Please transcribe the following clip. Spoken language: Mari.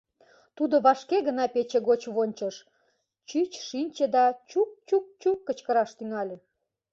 Тудо вашке гына пече гоч вончыш, чӱч шинче да «чук, чук, чук» кычкыраш тӱҥале.